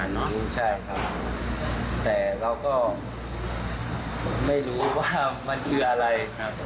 แต่เราก็ไม่รู้ว่ามันคืออะไร